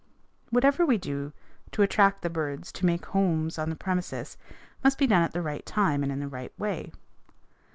Whatever we do to attract the birds to make homes on the premises must be done at the right time and in the right way.